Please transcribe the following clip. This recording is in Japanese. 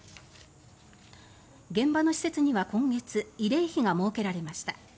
現場の施設には今月、慰霊碑が設けられました。